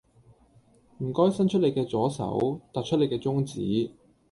唔該伸出你嘅左手，突出你嘅中指